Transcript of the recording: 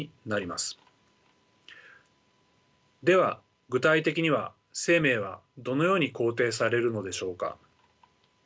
では具体的には生命はどのように肯定されるのでしょうか。